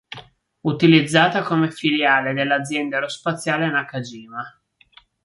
Utilizzata come filiale della azienda aerospaziale Nakajima.